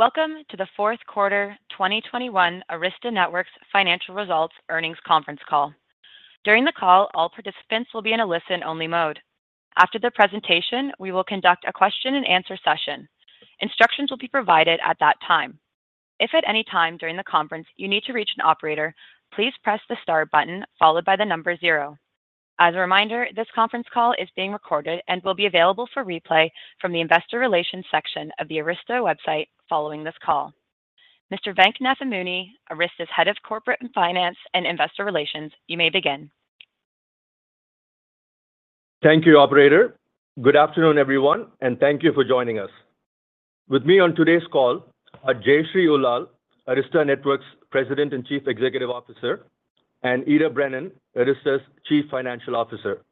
Welcome to the fourth quarter 2021 Arista Networks financial results earnings conference call. During the call, all participants will be in a listen-only mode. After the presentation, we will conduct a question and answer session. Instructions will be provided at that time. If at any time during the conference you need to reach an operator, please press the star button followed by the number zero. As a reminder, this conference call is being recorded and will be available for replay from the investor relations section of the Arista website following this call. Mr. Venk Nathamuni, Arista's Head of Corporate and Finance and Investor Relations, you may begin. Thank you, operator. Good afternoon, everyone, and thank you for joining us. With me on today's call are Jayshree Ullal, Arista Networks' President and Chief Executive Officer, and Ita Brennan, Arista's Chief Financial Officer.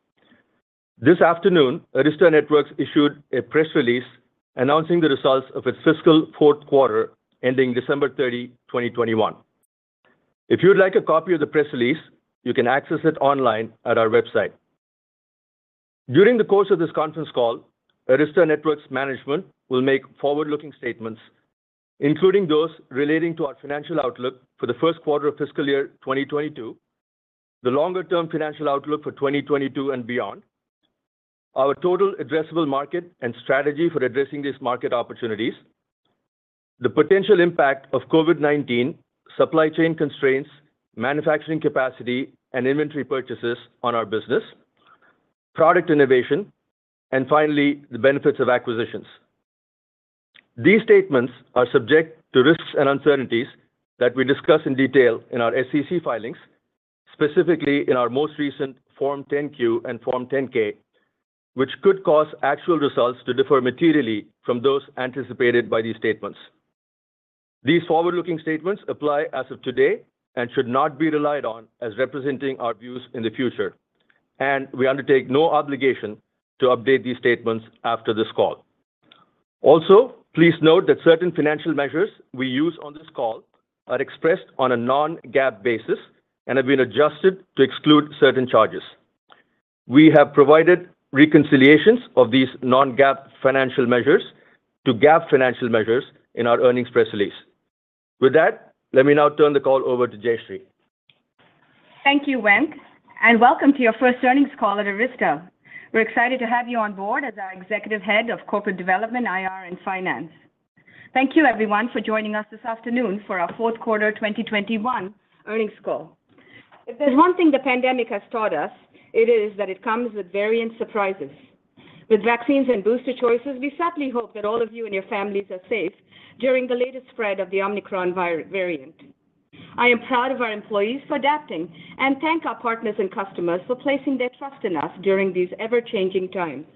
This afternoon, Arista Networks issued a press release announcing the results of its fiscal fourth quarter ending December 30, 2021. If you would like a copy of the press release, you can access it online at our website. During the course of this conference call, Arista Networks management will make forward-looking statements, including those relating to our financial outlook for the first quarter of fiscal year 2022, the longer-term financial outlook for 2022 and beyond, our total addressable market and strategy for addressing these market opportunities, the potential impact of COVID-19, supply chain constraints, manufacturing capacity, and inventory purchases on our business, product innovation, and finally, the benefits of acquisitions. These statements are subject to risks and uncertainties that we discuss in detail in our SEC filings, specifically in our most recent Form 10-Q and Form 10-K, which could cause actual results to differ materially from those anticipated by these statements. These forward-looking statements apply as of today and should not be relied on as representing our views in the future, and we undertake no obligation to update these statements after this call. Also, please note that certain financial measures we use on this call are expressed on a non-GAAP basis and have been adjusted to exclude certain charges. We have provided reconciliations of these non-GAAP financial measures to GAAP financial measures in our earnings press release. With that, let me now turn the call over to Jayshree. Thank you, Venk, and welcome to your first earnings call at Arista. We're excited to have you on board as our Executive Head of Corporate Development, IR, and Finance. Thank you, everyone, for joining us this afternoon for our fourth quarter 2021 earnings call. If there's one thing the pandemic has taught us, it is that it comes with variant surprises. With vaccines and booster choices, we certainly hope that all of you and your families are safe during the latest spread of the Omicron variant. I am proud of our employees for adapting and thank our partners and customers for placing their trust in us during these ever-changing times.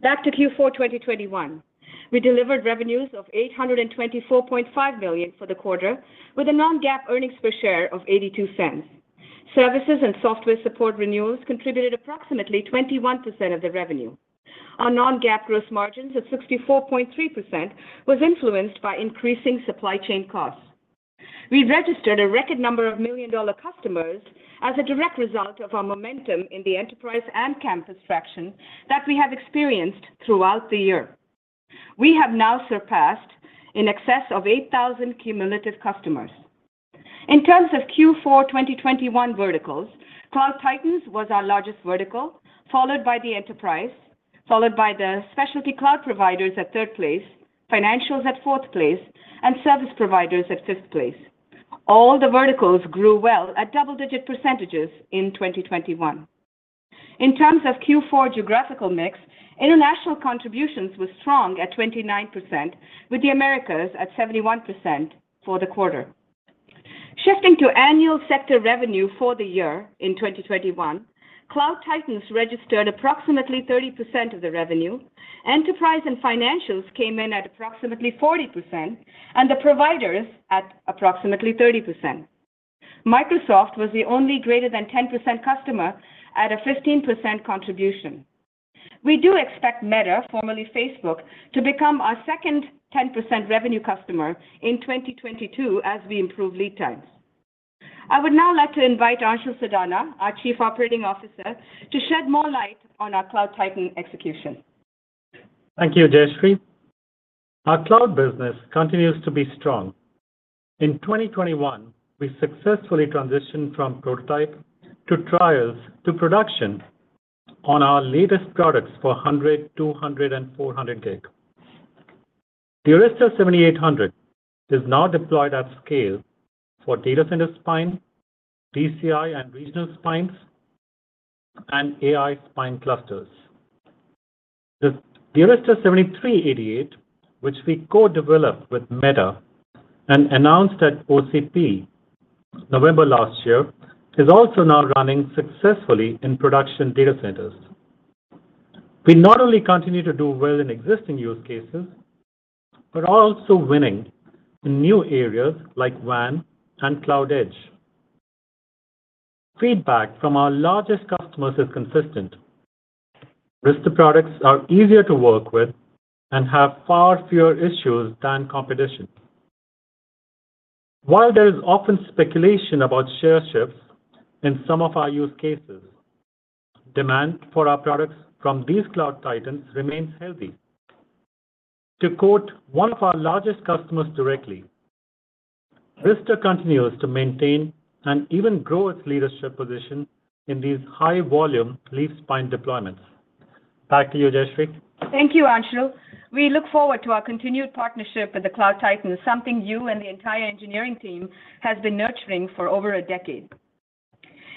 Back to Q4 2021. We delivered revenues of $824.5 million for the quarter with a non-GAAP earnings per share of $0.82. Services and software support renewals contributed approximately 21% of the revenue. Our non-GAAP gross margins of 64.3% was influenced by increasing supply chain costs. We registered a record number of million-dollar customers as a direct result of our momentum in the enterprise and campus traction that we have experienced throughout the year. We have now surpassed in excess of 8,000 cumulative customers. In terms of Q4 2021 verticals, Cloud Titans was our largest vertical, followed by the enterprise, followed by the specialty cloud providers at third place, followed by financials at fourth place, and service providers at fifth place. All the verticals grew well at double-digit percentages in 2021. In terms of Q4 geographical mix, international contributions were strong at 29%, with the Americas at 71% for the quarter. Shifting to annual sector revenue for the year in 2021, Cloud Titans registered approximately 30% of the revenue. Enterprise and financials came in at approximately 40%, and the providers at approximately 30%. Microsoft was the only greater than 10% customer at a 15% contribution. We do expect Meta, formerly Facebook, to become our second 10% revenue customer in 2022 as we improve lead times. I would now like to invite Anshul Sadana, our Chief Operating Officer, to shed more light on our Cloud Titans execution. Thank you, Jayshree. Our cloud business continues to be strong. In 2021, we successfully transitioned from prototype to trials to production on our latest products for 100 gig, 200 gig, and 400 gig. The Arista 7800 is now deployed at scale for data center spine, DCI and regional spines, and AI spine clusters. The Arista 7388, which we co-developed with Meta and announced at OCP November last year, is also now running successfully in production data centers. We not only continue to do well in existing use cases, but are also winning in new areas like WAN and Cloud Edge. Feedback from our largest customers is consistent. Arista products are easier to work with and have far fewer issues than competition. While there is often speculation about share shifts in some of our use cases, demand for our products from these Cloud Titans remains healthy. To quote one of our largest customers directly, "Arista continues to maintain and even grow its leadership position in these high volume leaf spine deployments." Back to you, Jayshree. Thank you, Anshul. We look forward to our continued partnership with the Cloud Titans, something you and the entire engineering team has been nurturing for over a decade.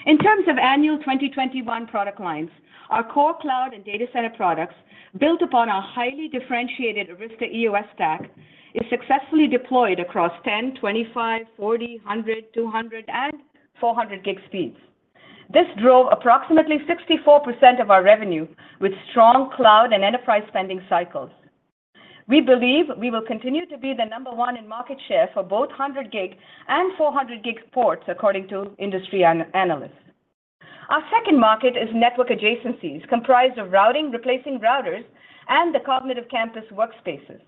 In terms of annual 2021 product lines, our core cloud and data center products, built upon our highly differentiated Arista EOS stack, is successfully deployed Across 10 gig, 25 gig, 40 gig, 100 gig, 200 gig, and 400 gig speeds. This drove approximately 64% of our revenue with strong cloud and enterprise spending cycles. We believe we will continue to be the number one in market share for both 100 gig and 400 gig ports, according to industry analysts. Our second market is network adjacencies comprised of routing, replacing routers, and the Cognitive Campus workspaces.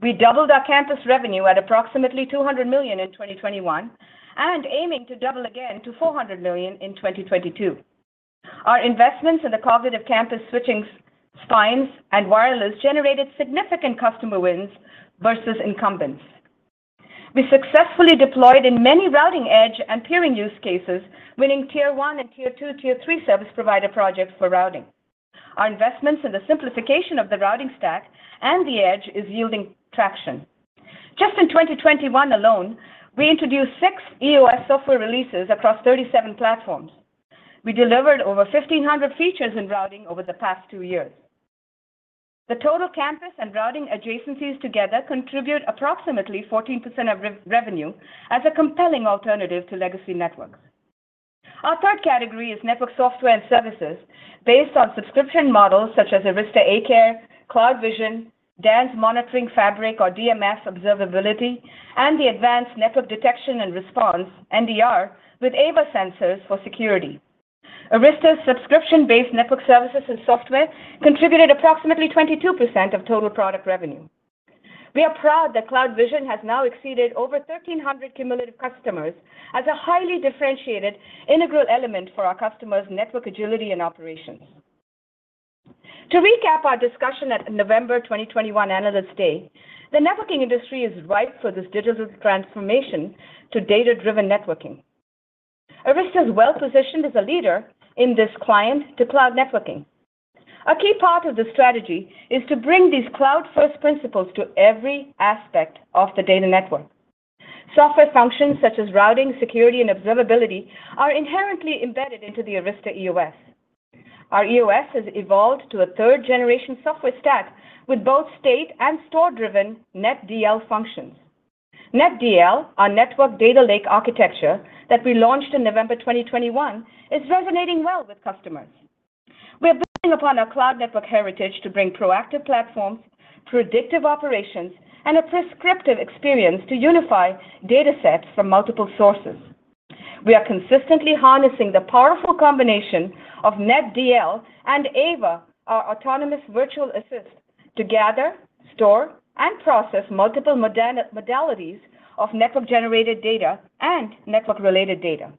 We doubled our campus revenue at approximately $200 million in 2021 and aiming to double again to $400 million in 2022. Our investments in the Cognitive Campus switching spines and wireless generated significant customer wins versus incumbents. We successfully deployed in many routing edge and peering use cases, winning tier one and tier two, tier three service provider projects for routing. Our investments in the simplification of the routing stack and the edge is yielding traction. Just in 2021 alone, we introduced six EOS software releases across 37 platforms. We delivered over 1,500 features in routing over the past two years. The total campus and routing adjacencies together contribute approximately 14% of revenue as a compelling alternative to legacy networks. Our third category is network software and services based on subscription models such as Arista A-Care, CloudVision, DANZ Monitoring Fabric or DMF Observability, and the Advanced Network Detection and Response, NDR, with AVA sensors for security. Arista's subscription-based network services and software contributed approximately 22% of total product revenue. We are proud that CloudVision has now exceeded over 1,300 cumulative customers as a highly differentiated integral element for our customers' network agility and operations. To recap our discussion at November 2021 Analyst Day, the networking industry is ripe for this digital transformation to data-driven networking. Arista is well-positioned as a leader in this client to cloud networking. A key part of the strategy is to bring these cloud-first principles to every aspect of the data network. Software functions such as routing, security, and observability are inherently embedded into the Arista EOS. Our EOS has evolved to a third-generation software stack with both state and store-driven NetDL functions. NetDL, our network data lake architecture that we launched in November 2021, is resonating well with customers. We are building upon our cloud network heritage to bring proactive platforms, predictive operations, and a prescriptive experience to unify data sets from multiple sources. We are consistently harnessing the powerful combination of NetDL and AVA, our autonomous virtual assist, to gather, store, and process multiple modalities of network-generated data and network-related data.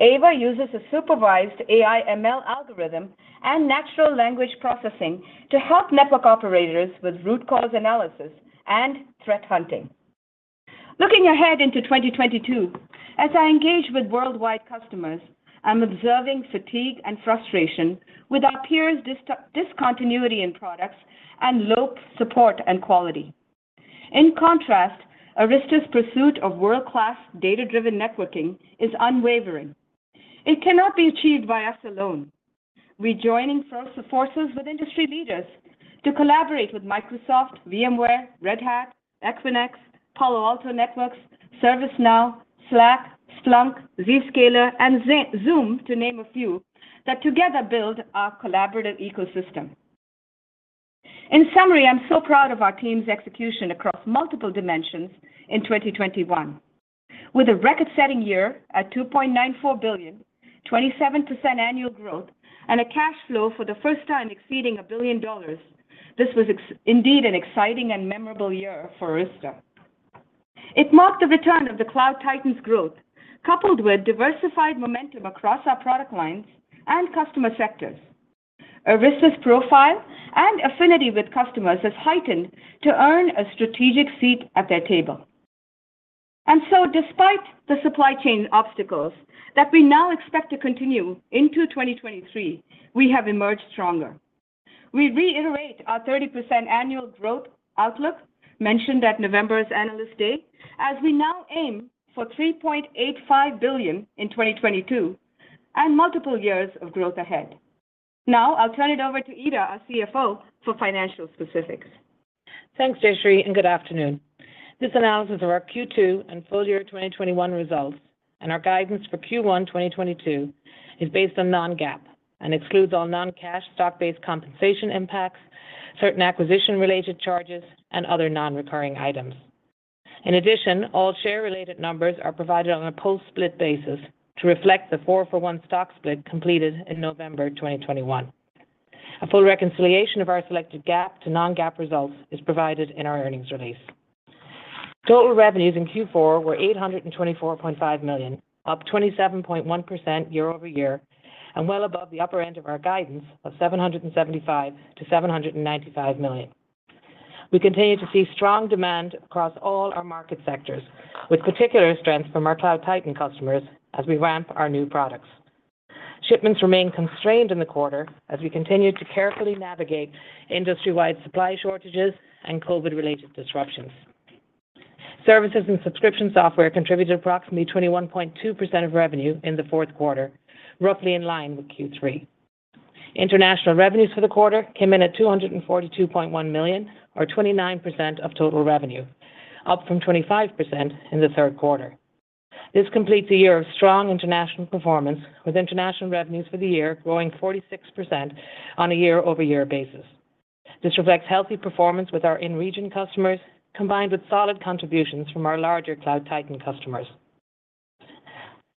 AVA uses a supervised AI/ML algorithm and natural language processing to help network operators with root cause analysis and threat hunting. Looking ahead into 2022, as I engage with worldwide customers, I'm observing fatigue and frustration with our peers' discontinuity in products and low support and quality. In contrast, Arista's pursuit of world-class data-driven networking is unwavering. It cannot be achieved by us alone. We're joining forces with industry leaders to collaborate with Microsoft, VMware, Red Hat, Equinix, Palo Alto Networks, ServiceNow, Slack, Splunk, Zscaler, and Zoom, to name a few, that together build our collaborative ecosystem. In summary, I'm so proud of our team's execution across multiple dimensions in 2021. With a record-setting year at $2.94 billion, 27% annual growth, and a cash flow for the first time exceeding $1 billion, this was indeed an exciting and memorable year for Arista. It marked the return of the Cloud Titans growth, coupled with diversified momentum across our product lines and customer sectors. Arista's profile and affinity with customers has heightened to earn a strategic seat at their table. Despite the supply chain obstacles that we now expect to continue into 2023, we have emerged stronger. We reiterate our 30% annual growth outlook mentioned at November's Analyst Day as we now aim for $3.85 billion in 2022 and multiple years of growth ahead. Now I'll turn it over to Ita, our CFO, for financial specifics. Thanks, Jayshree, and good afternoon. This analysis of our Q2 and full year 2021 results and our guidance for Q1 2022 is based on non-GAAP and excludes all non-cash stock-based compensation impacts, certain acquisition-related charges, and other non-recurring items. In addition, all share-related numbers are provided on a post-split basis to reflect the 4-for-1 stock split completed in November 2021. A full reconciliation of our selected GAAP to non-GAAP results is provided in our earnings release. Total revenues in Q4 were $824.5 million, up 27.1% year-over-year, and well above the upper end of our guidance of $775 million-$795 million. We continue to see strong demand across all our market sectors, with particular strength from our Cloud Titans customers as we ramp our new products. Shipments remain constrained in the quarter as we continue to carefully navigate industry-wide supply shortages and COVID-related disruptions. Services and subscription software contributed approximately 21.2% of revenue in the fourth quarter, roughly in line with Q3. International revenues for the quarter came in at $242.1 million or 29% of total revenue, up from 25% in the third quarter. This completes a year of strong international performance, with international revenues for the year growing 46% on a year-over-year basis. This reflects healthy performance with our in-region customers, combined with solid contributions from our larger Cloud Titans customers.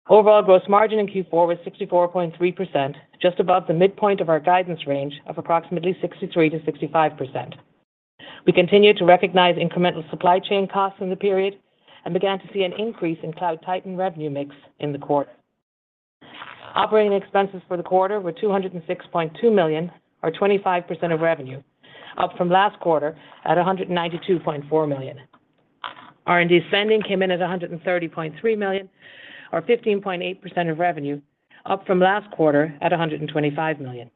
Overall gross margin in Q4 was 64.3%, just above the midpoint of our guidance range of approximately 63%-65%. We continued to recognize incremental supply chain costs in the period and began to see an increase in Cloud Titans revenue mix in the quarter. Operating expenses for the quarter were $206.2 million or 25% of revenue, up from last quarter at $192.4 million. R&D spending came in at $130.3 million, or 15.8% of revenue, up from last quarter at $125 million.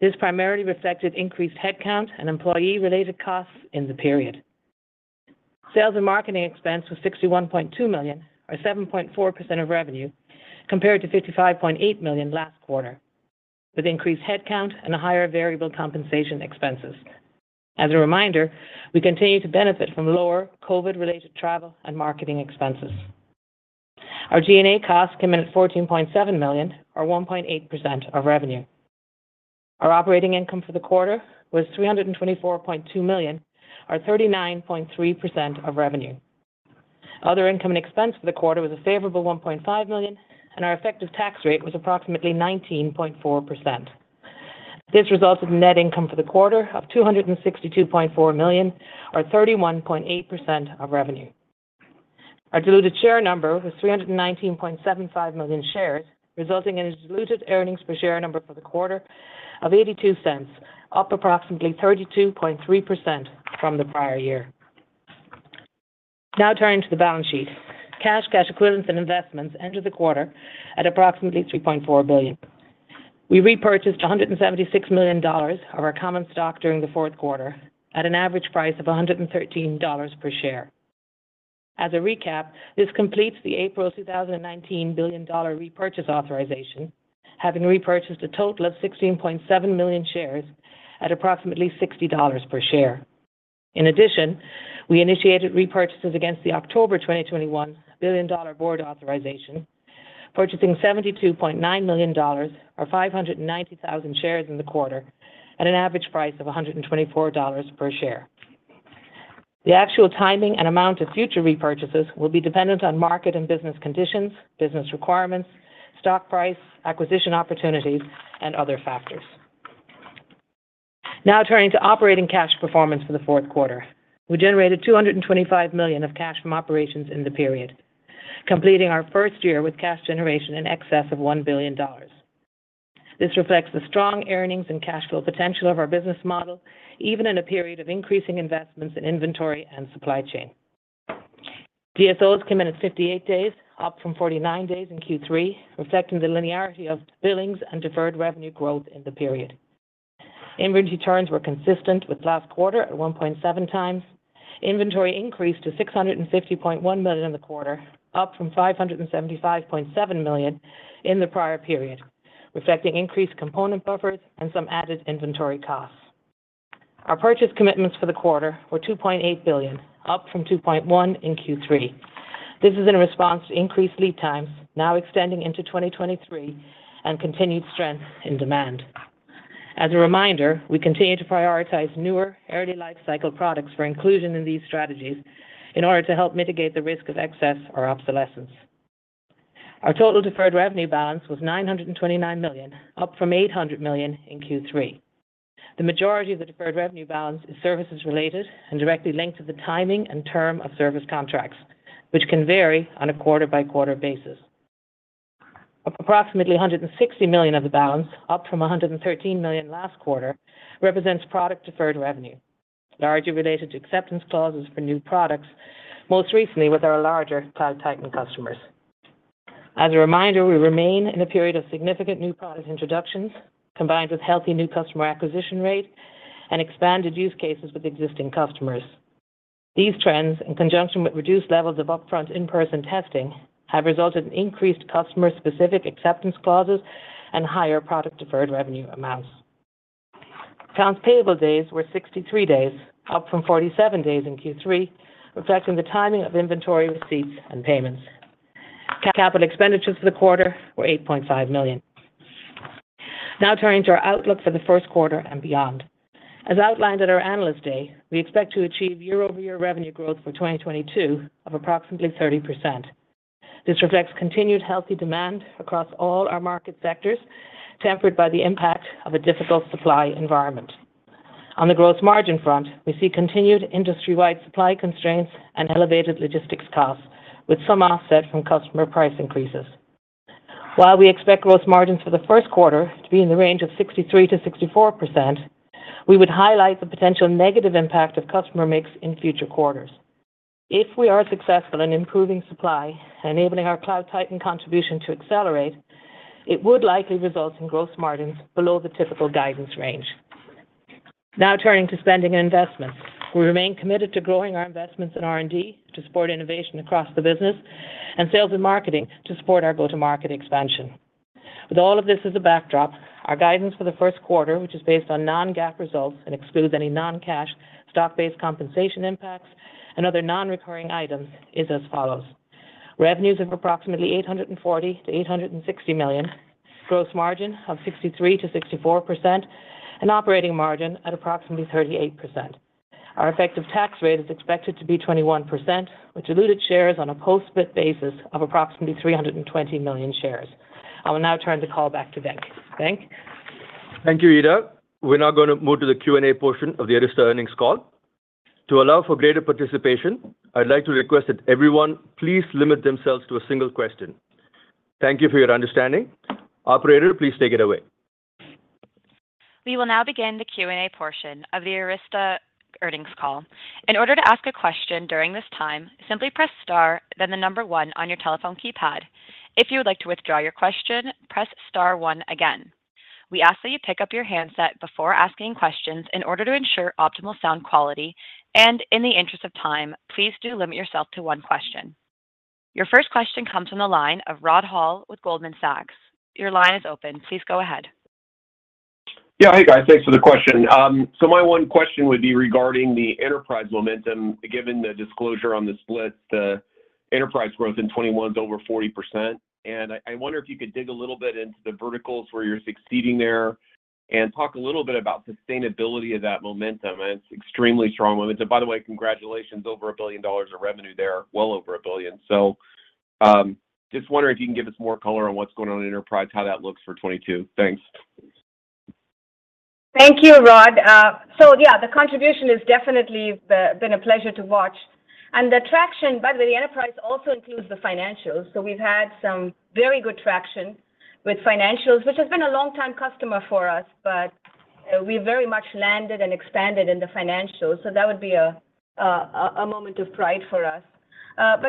This primarily reflected increased headcount and employee-related costs in the period. Sales and marketing expense was $61.2 million or 7.4% of revenue, compared to $55.8 million last quarter, with increased headcount and higher variable compensation expenses. As a reminder, we continue to benefit from lower COVID-related travel and marketing expenses. Our G&A costs came in at $14.7 million or 1.8% of revenue. Our operating income for the quarter was $324.2 million or 39.3% of revenue. Other income and expense for the quarter was a favorable $1.5 million, and our effective tax rate was approximately 19.4%. This resulted in net income for the quarter of $262.4 million or 31.8% of revenue. Our diluted share number was 319.75 million shares, resulting in a diluted earnings per share number for the quarter of $0.82, up approximately 32.3% from the prior year. Now turning to the balance sheet. Cash, cash equivalents and investments entered the quarter at approximately $3.4 billion. We repurchased $176 million of our common stock during the fourth quarter at an average price of $113 per share. As a recap, this completes the April 2019 $1 billion repurchase authorization, having repurchased a total of 16.7 million shares at approximately $60 per share. In addition, we initiated repurchases against the October 2021 $1 billion board authorization, purchasing $72.9 million or 590,000 shares in the quarter at an average price of $124 per share. The actual timing and amount of future repurchases will be dependent on market and business conditions, business requirements, stock price, acquisition opportunities, and other factors. Now turning to operating cash performance for the fourth quarter. We generated $225 million of cash from operations in the period, completing our first year with cash generation in excess of $1 billion. This reflects the strong earnings and cash flow potential of our business model, even in a period of increasing investments in inventory and supply chain. DSO came in at 58 days, up from 49 days in Q3, reflecting the linearity of billings and deferred revenue growth in the period. Inventory turns were consistent with last quarter at 1.7x. Inventory increased to $650.1 million in the quarter, up from $575.7 million in the prior period, reflecting increased component buffers and some added inventory costs. Our purchase commitments for the quarter were $2.8 billion, up from $2.1 billion in Q3. This is in response to increased lead times now extending into 2023 and continued strength in demand. As a reminder, we continue to prioritize newer early lifecycle products for inclusion in these strategies in order to help mitigate the risk of excess or obsolescence. Our total deferred revenue balance was $929 million, up from $800 million in Q3. The majority of the deferred revenue balance is services-related and directly linked to the timing and term of service contracts, which can vary on a quarter-by-quarter basis. Approximately $160 million of the balance, up from $113 million last quarter, represents product deferred revenue, largely related to acceptance clauses for new products, most recently with our larger Cloud Titan customers. As a reminder, we remain in a period of significant new product introductions, combined with healthy new customer acquisition rate and expanded use cases with existing customers. These trends, in conjunction with reduced levels of upfront in-person testing, have resulted in increased customer-specific acceptance clauses and higher product deferred revenue amounts. Accounts payable days were 63 days, up from 47 days in Q3, reflecting the timing of inventory receipts and payments. Capital expenditures for the quarter were $8.5 million. Now turning to our outlook for the first quarter and beyond. As outlined at our Analyst Day, we expect to achieve year-over-year revenue growth for 2022 of approximately 30%. This reflects continued healthy demand across all our market sectors, tempered by the impact of a difficult supply environment. On the growth margin front, we see continued industry-wide supply constraints and elevated logistics costs, with some offset from customer price increases. While we expect growth margins for the first quarter to be in the range of 63%-64%, we would highlight the potential negative impact of customer mix in future quarters. If we are successful in improving supply, enabling our Cloud Titans contribution to accelerate, it would likely result in growth margins below the typical guidance range. Now turning to spending and investments. We remain committed to growing our investments in R&D to support innovation across the business and sales and marketing to support our go-to-market expansion. With all of this as a backdrop, our guidance for the first quarter, which is based on non-GAAP results and excludes any non-cash stock-based compensation impacts and other non-recurring items, is as follows. Revenues of approximately $840 million-$860 million. Gross margin of 63%-64% and operating margin at approximately 38%. Our effective tax rate is expected to be 21%, with diluted shares on a post-split basis of approximately 320 million shares. I will now turn the call back to Venk. Venk. Thank you, Ita. We're now gonna move to the Q&A portion of the Arista earnings call. To allow for greater participation, I'd like to request that everyone please limit themselves to a single question. Thank you for your understanding. Operator, please take it away. We will now begin the Q&A portion of the Arista earnings call. In order to ask a question during this time, simply press star, then the number one on your telephone keypad. If you would like to withdraw your question, press star one again. We ask that you pick up your handset before asking questions in order to ensure optimal sound quality, and in the interest of time, please do limit yourself to one question. Your first question comes from the line of Rod Hall with Goldman Sachs. Your line is open. Please go ahead. Yeah. Hey, guys. Thanks for the question. My one question would be regarding the enterprise momentum, given the disclosure on the split. The enterprise growth in 2021 is over 40%. I wonder if you could dig a little bit into the verticals where you're succeeding there and talk a little bit about sustainability of that momentum. It's extremely strong momentum. By the way, congratulations. Over $1 billion of revenue there. Well over $1 billion. Just wondering if you can give us more color on what's going on in enterprise, how that looks for 2022. Thanks. Thank you, Rod. The contribution has definitely been a pleasure to watch. The traction, by the way, the enterprise also includes the financials. We've had some very good traction with financials, which has been a long time customer for us, but we very much landed and expanded in the financials, so that would be a moment of pride for us.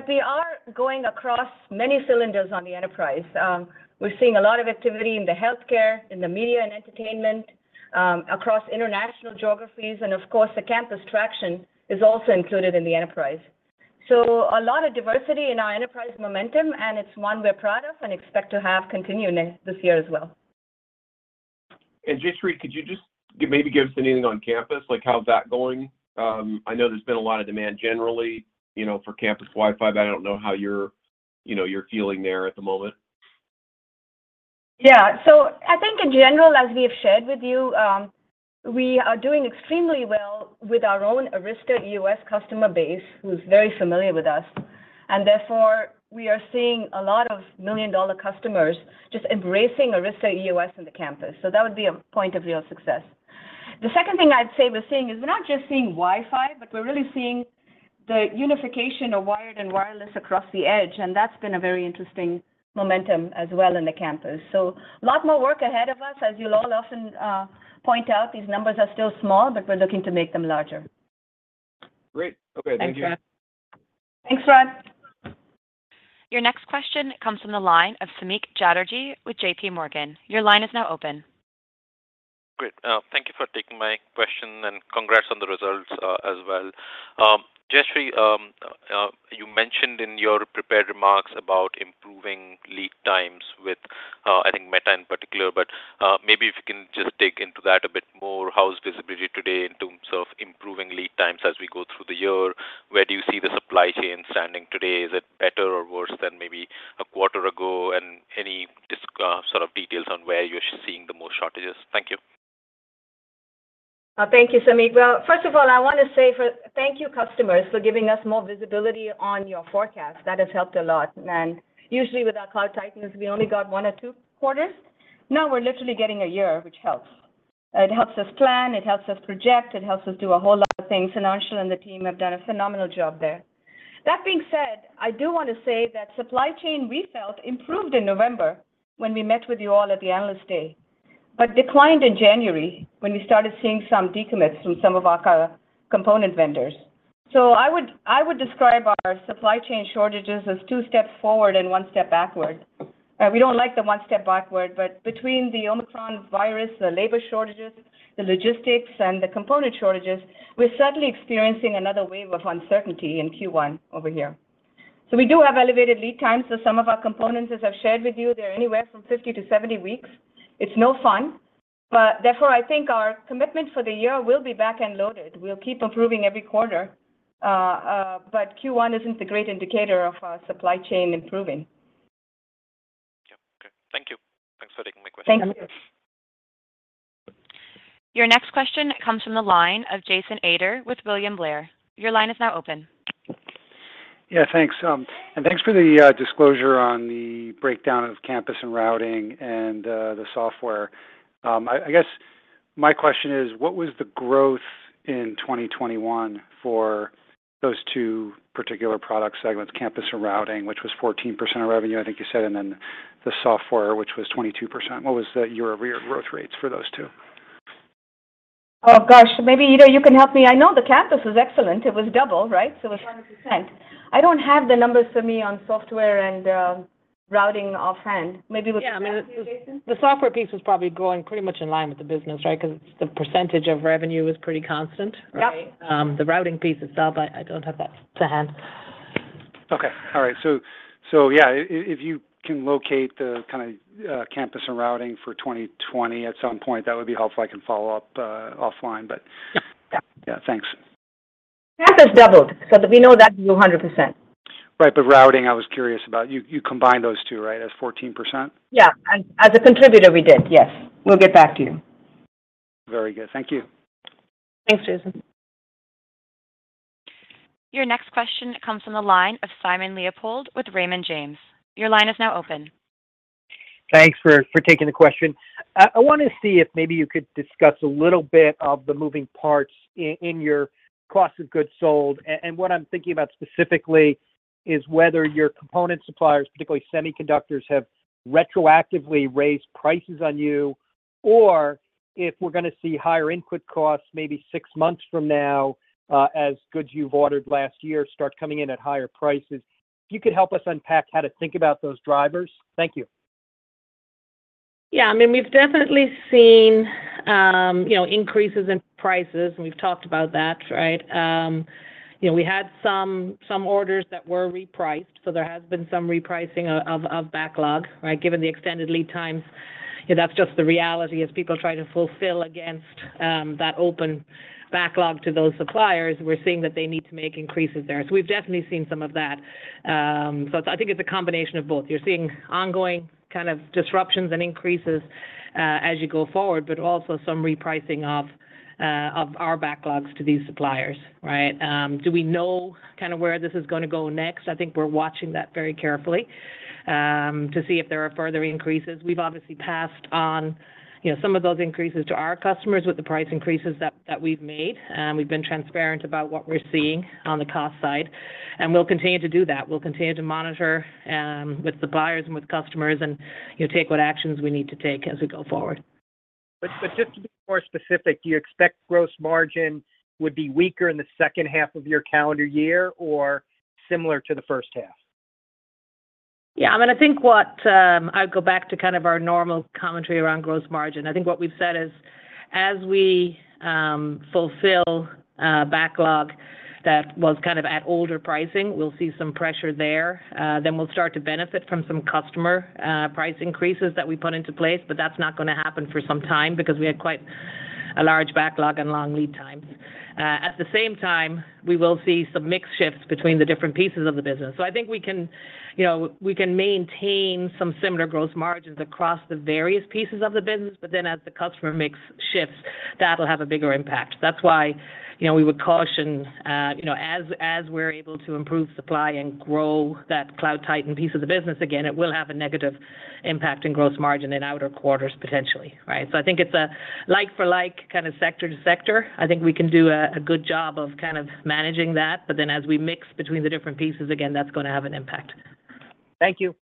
We are going across many verticals on the enterprise. We're seeing a lot of activity in the healthcare, in the media and entertainment, across international geographies, and of course, the campus traction is also included in the enterprise. A lot of diversity in our enterprise momentum, and it's one we're proud of and expect to continue this year as well. Jayshree, could you just maybe give us anything on campus, like how's that going? I know there's been a lot of demand generally, you know, for Campus Wi-Fi, but I don't know how you're, you know, you're feeling there at the moment. Yeah. I think in general, as we have shared with you, we are doing extremely well with our own Arista EOS customer base, who's very familiar with us. Therefore, we are seeing a lot of million-dollar customers just embracing Arista EOS in the campus. That would be a point of real success. The second thing I'd say we're seeing is we're not just seeing Wi-Fi, but we're really seeing the unification of wired and wireless across the edge, and that's been a very interesting momentum as well in the campus. A lot more work ahead of us. As you'll all often point out, these numbers are still small, but we're looking to make them larger. Great. Okay. Thank you. Thanks, Rod. Thanks, Rod. Your next question comes from the line of Samik Chatterjee with JPMorgan. Your line is now open. Great. Thank you for taking my question, and congrats on the results, as well. Jayshree, you mentioned in your prepared remarks about improving lead times with, I think Meta in particular, but maybe if you can just dig into that a bit more, how's visibility today in terms of improving lead times as we go through the year? Where do you see the supply chain standing today? Is it better or worse than maybe a quarter ago? Any sort of details on where you're seeing the most shortages? Thank you. Thank you, Samik. Well, first of all, I want to say thank you, customers, for giving us more visibility on your forecast. That has helped a lot. Usually with our Cloud Titans, we only got one or two quarters. Now we're literally getting a year, which helps. It helps us plan, it helps us project, it helps us do a whole lot of things. Anshul and the team have done a phenomenal job there. That being said, I do want to say that supply chain, we felt, improved in November when we met with you all at the Analyst Day, but declined in January when we started seeing some decommits from some of our component vendors. I would describe our supply chain shortages as two steps forward and one step backward. We don't like the one step backward, but between the Omicron virus, the labor shortages, the logistics, and the component shortages, we're suddenly experiencing another wave of uncertainty in Q1 over here. We do have elevated lead times for some of our components. As I've shared with you, they're anywhere from 50-70 weeks. It's no fun, but therefore, I think our commitment for the year will be back end loaded. We'll keep improving every quarter, but Q1 isn't the great indicator of our supply chain improving. Thanks for taking my question. Thank you, Samik. Your next question comes from the line of Jason Ader with William Blair. Your line is now open. Yeah, thanks. Thanks for the disclosure on the breakdown of campus and routing and the software. I guess my question is: What was the growth in 2021 for those two particular product segments, campus and routing, which was 14% of revenue, I think you said, and then the software, which was 22%. What was the year-over-year growth rates for those two? Oh, gosh. Maybe, Ita, you can help me. I know the campus was excellent. It was double, right? It was 100%. I don't have the numbers with me on software and routing offhand. Maybe we can get back to you, Jason. Yeah. I mean, the software piece was probably growing pretty much in line with the business, right? Because the percentage of revenue was pretty constant, right? Yep. The routing piece itself, I don't have that to hand. Okay. All right. Yeah. If you can locate the kinda campus and routing for 2020 at some point, that would be helpful. I can follow up offline. But. Sure. Yeah. Yeah. Thanks. Campus doubled, so we know that grew 100%. Right. Routing, I was curious about. You combined those two, right, as 14%? Yeah. As a contributor, we did, yes. We'll get back to you. Very good. Thank you. Thanks, Jason. Your next question comes from the line of Simon Leopold with Raymond James. Your line is now open. Thanks for taking the question. I wanna see if maybe you could discuss a little bit of the moving parts in your cost of goods sold. What I'm thinking about specifically is whether your component suppliers, particularly semiconductors, have retroactively raised prices on you or if we're gonna see higher input costs maybe six months from now, as goods you've ordered last year start coming in at higher prices. If you could help us unpack how to think about those drivers. Thank you. Yeah. I mean, we've definitely seen, you know, increases in prices, and we've talked about that, right? You know, we had some orders that were repriced, so there has been some repricing of backlog, right? Given the extended lead times, you know, that's just the reality as people try to fulfill against that open backlog to those suppliers. We're seeing that they need to make increases there. We've definitely seen some of that. I think it's a combination of both. You're seeing ongoing kind of disruptions and increases as you go forward, but also some repricing of our backlogs to these suppliers, right? Do we know kinda where this is gonna go next? I think we're watching that very carefully to see if there are further increases. We've obviously passed on, you know, some of those increases to our customers with the price increases that we've made. We've been transparent about what we're seeing on the cost side, and we'll continue to do that. We'll continue to monitor with the buyers and with customers and, you know, take what actions we need to take as we go forward. Just to be more specific, do you expect gross margin would be weaker in the second half of your calendar year or similar to the first half? Yeah. I mean, I think what I'd go back to kind of our normal commentary around gross margin. I think what we've said is, as we fulfill backlog that was kind of at older pricing, we'll see some pressure there. Then we'll start to benefit from some customer price increases that we put into place, but that's not gonna happen for some time because we had quite a large backlog and long lead times. At the same time, we will see some mix shifts between the different pieces of the business. I think we can, you know, we can maintain some similar gross margins across the various pieces of the business, but then as the customer mix shifts, that'll have a bigger impact. That's why, you know, we would caution, as we're able to improve supply and grow that Cloud Titan piece of the business again, it will have a negative impact in gross margin in outer quarters potentially, right? I think it's a like for like, kind of sector to sector. I think we can do a good job of kind of managing that, but then as we mix between the different pieces, again, that's gonna have an impact. Thank you.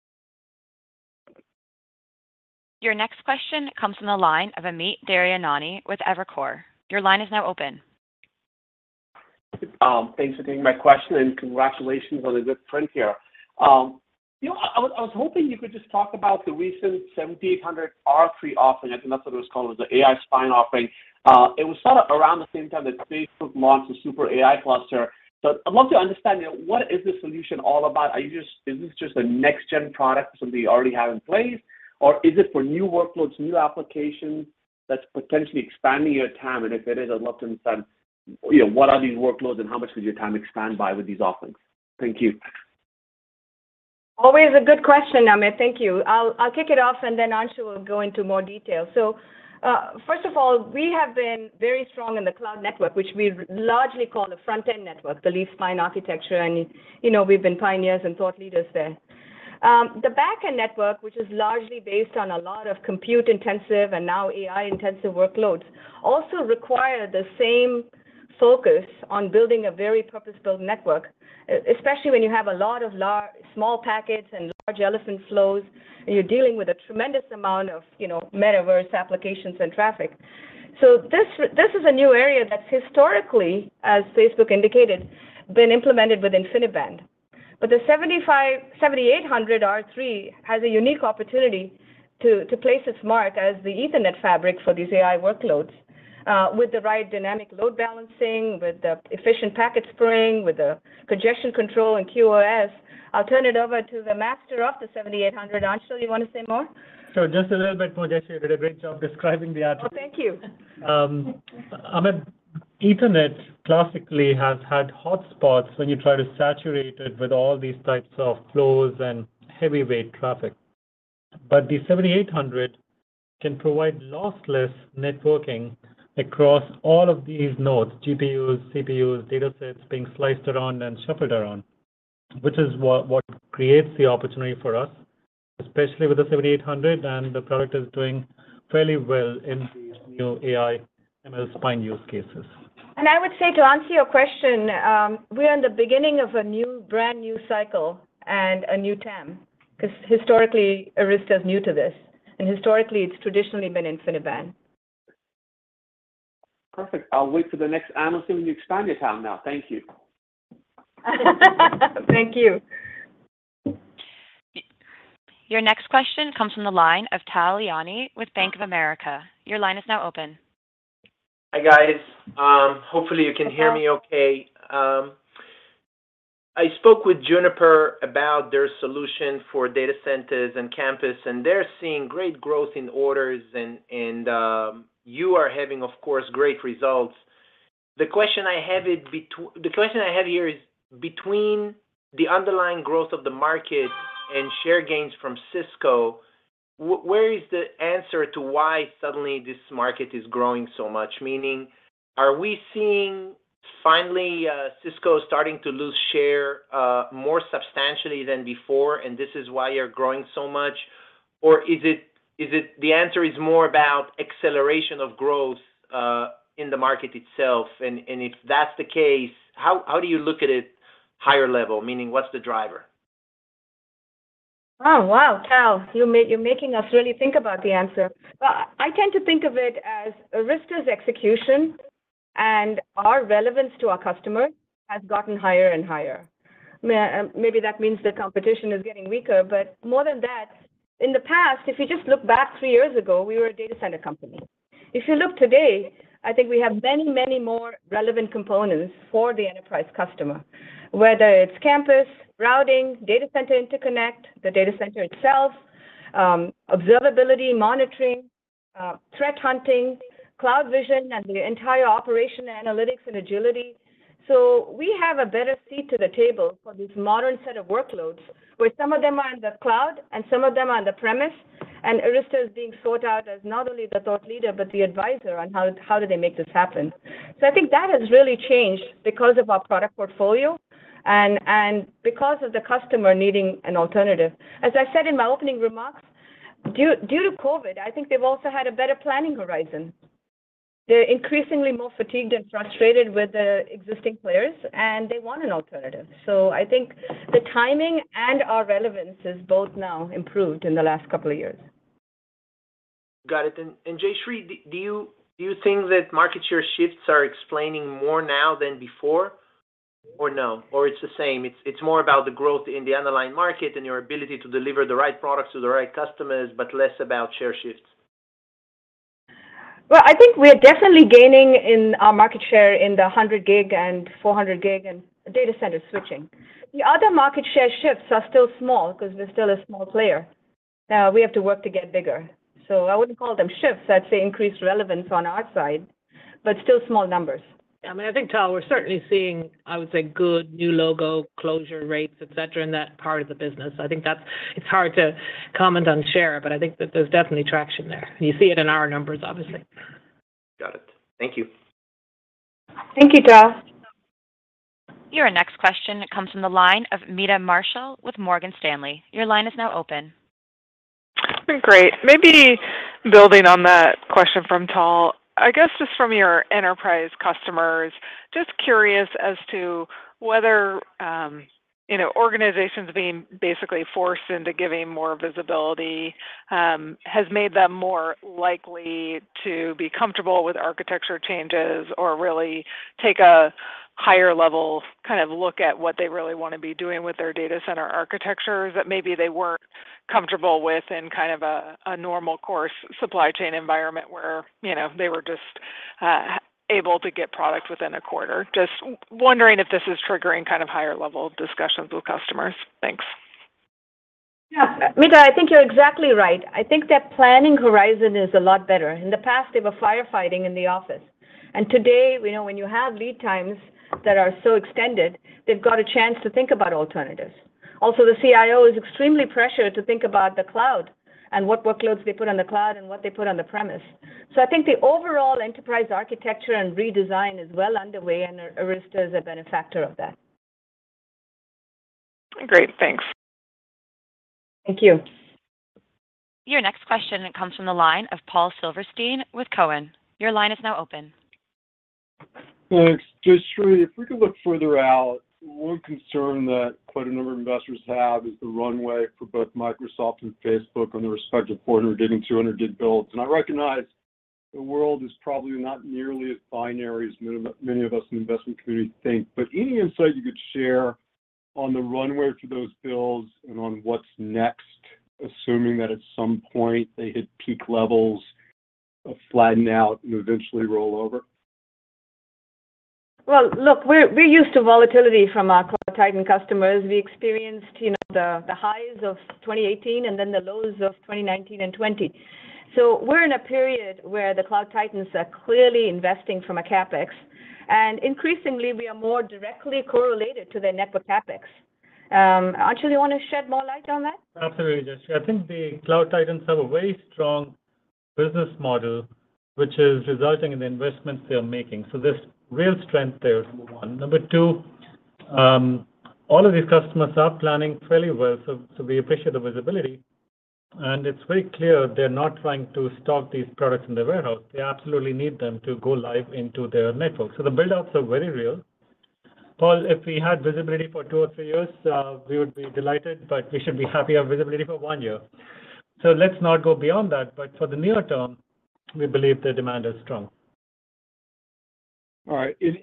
Your next question comes from the line of Amit Daryanani with Evercore. Your line is now open. Thanks for taking my question, and congratulations on the good print here. You know, I was hoping you could just talk about the recent 7800R3 offering. I think that's what it was called. It was an AI spine offering. It was sort of around the same time that Facebook launched the Super AI cluster. I want to understand, you know, what is this solution all about? Are you just... Is this just a next gen product for something you already have in place, or is it for new workloads, new applications that's potentially expanding your TAM? If it is, I'd love to understand, you know, what are these workloads and how much would your TAM expand by with these offerings? Thank you. Always a good question, Amit. Thank you. I'll kick it off, and then Anshul will go into more detail. First of all, we have been very strong in the cloud network, which we largely call the front-end network, the leaf-spine architecture, and, you know, we've been pioneers and thought leaders there. The back-end network, which is largely based on a lot of compute-intensive and now AI-intensive workloads, also require the same focus on building a very purpose-built network, especially when you have a lot of small packets and large elephant flows, and you're dealing with a tremendous amount of, you know, metaverse applications and traffic. This is a new area that's historically, as Facebook indicated, been implemented with InfiniBand. The 7800R3 has a unique opportunity to place its mark as the Ethernet fabric for these AI workloads, with the right dynamic load balancing, with the efficient packet spraying, with the congestion control and QoS. I'll turn it over to the master of the 7800. Anshul, you wanna say more? Just a little bit more. Jayshree did a great job describing the architecture. Oh, thank you. Um, Amit, Ethernet classically has had hotspots when you try to saturate it with all these types of flows and heavyweight traffic. The 7800 can provide lossless networking across all of these nodes, GPUs, CPUs, data sets being sliced around and shuffled around, which is what creates the opportunity for us, especially with the 7800, and the product is doing fairly well in these new AI/ML spine use cases. I would say to answer your question, we're in the beginning of a new, brand-new cycle and a new TAM, because historically Arista is new to this, and historically it's traditionally been InfiniBand. Perfect. I'll wait for the next analyst when you expand your TAM now. Thank you. Thank you. Your next question comes from the line of Tal Liani with Bank of America. Your line is now open. Hi, guys. Hopefully you can hear me okay. Hi, Tal. I spoke with Juniper about their solution for data centers and campus, and they're seeing great growth in orders and you are having, of course, great results. The question I have here is between the underlying growth of the market and share gains from Cisco, where is the answer to why suddenly this market is growing so much? Meaning, are we seeing finally Cisco starting to lose share more substantially than before, and this is why you're growing so much? Or is it the answer is more about acceleration of growth in the market itself? If that's the case, how do you look at it higher level? Meaning, what's the driver? Oh, wow, Tal. You're making us really think about the answer. Well, I tend to think of it as Arista's execution and our relevance to our customer has gotten higher and higher. Maybe that means the competition is getting weaker, but more than that, in the past, if you just look back three years ago, we were a data center company. If you look today, I think we have many, many more relevant components for the enterprise customer, whether it's campus, routing, data center interconnect, the data center itself, observability, monitoring, threat hunting, CloudVision, and the entire operation analytics and agility. We have a better seat to the table for this modern set of workloads, where some of them are in the cloud and some of them are on-premises, and Arista is being sought out as not only the thought leader, but the advisor on how do they make this happen. I think that has really changed because of our product portfolio and because of the customer needing an alternative. As I said in my opening remarks, due to COVID, I think they've also had a better planning horizon. They're increasingly more fatigued and frustrated with the existing players, and they want an alternative. I think the timing and our relevance is both now improved in the last couple of years. Got it. Jayshree, do you think that market share shifts are explaining more now than before or no? It's the same? It's more about the growth in the underlying market and your ability to deliver the right products to the right customers, but less about share shifts? Well, I think we are definitely gaining in our market share in the 100 gig and 400 gig and data center switching. The other market share shifts are still small because we're still a small player. We have to work to get bigger. I wouldn't call them shifts. I'd say increased relevance on our side, but still small numbers. I mean, I think, Tal, we're certainly seeing, I would say, good new logo closure rates, et cetera, in that part of the business. I think that's. It's hard to comment on share, but I think that there's definitely traction there. You see it in our numbers, obviously. Got it. Thank you. Thank you, Tal. Your next question comes from the line of Meta Marshall with Morgan Stanley. Your line is now open. Great. Maybe building on that question from Tal, I guess just from your enterprise customers, just curious as to whether, you know, organizations being basically forced into giving more visibility, has made them more likely to be comfortable with architecture changes or really take a higher level kind of look at what they really want to be doing with their data center architectures that maybe they weren't comfortable with in kind of a normal course supply chain environment where, you know, they were just able to get product within a quarter. Just wondering if this is triggering kind of higher level discussions with customers. Thanks. Yeah. Meta, I think you're exactly right. I think that planning horizon is a lot better. In the past, they were firefighting in the office. Today, you know, when you have lead times that are so extended, they've got a chance to think about alternatives. Also, the CIO is extremely pressured to think about the cloud and what workloads they put on the cloud and what they put on the premises. I think the overall enterprise architecture and redesign is well underway, and Arista is a benefactor of that. Great. Thanks. Thank you. Your next question comes from the line of Paul Silverstein with Cowen. Your line is now open. Thanks. Jayshree, if we could look further out, one concern that quite a number of investors have is the runway for both Microsoft and Facebook on their respective 400 gig and 200 gig builds. I recognize the world is probably not nearly as binary as many of us in the investment community think. Any insight you could share on the runway for those builds and on what's next, assuming that at some point they hit peak levels or flatten out and eventually roll over? Well, look, we're used to volatility from our Cloud Titans customers. We experienced, you know, the highs of 2018 and then the lows of 2019 and 2020. We're in a period where the Cloud Titans are clearly investing from a CapEx, and increasingly we are more directly correlated to their network CapEx. Anshul, you want to shed more light on that? Absolutely, Jayshree. I think the Cloud Titans have a very strong business model, which is resulting in the investments they are making. There's real strength there, number one. Number two, all of these customers are planning fairly well, so we appreciate the visibility, and it's very clear they're not trying to stock these products in the warehouse. They absolutely need them to go live into their network. The build-outs are very real. Paul, if we had visibility for two or three years, we would be delighted, but we should be happy with visibility for one year. Let's not go beyond that, but for the near term, we believe the demand is strong. All right. If